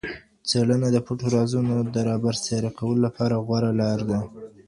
څېړنه د پټو رازونو د رابرسېره کولو لپاره غوره لار ده.